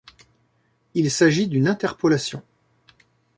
Il s'agit d'une interpolation.